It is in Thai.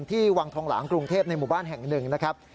วังทองหลางกรุงเทพในหมู่บ้านแห่งหนึ่งนะครับ